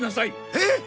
えっ！？